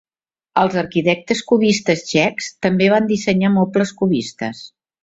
Els arquitectes cubistes txecs també van dissenyar mobles cubistes.